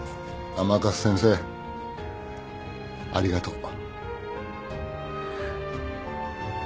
甘春先生ありがとう。